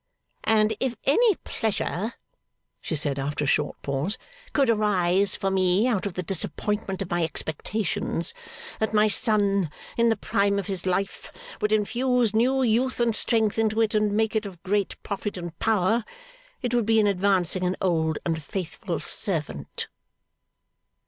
'And if any pleasure,' she said after a short pause, 'could arise for me out of the disappointment of my expectations that my son, in the prime of his life, would infuse new youth and strength into it, and make it of great profit and power, it would be in advancing an old and faithful servant.